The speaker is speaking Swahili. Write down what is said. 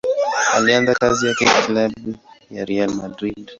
Alianza kazi yake na klabu ya Real Madrid.